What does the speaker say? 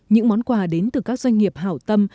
những món quà đến từ các doanh nghiệp hảo tâm